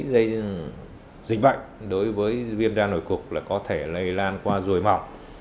gây dịch bệnh đối với viêm da nổi cục là có thể lây lan qua rùi mỏng